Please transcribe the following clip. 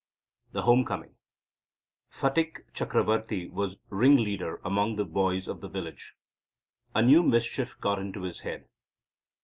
THE HOME COMING Phatik Chakravorti was ringleader among the boys of the village. A new mischief got into his head.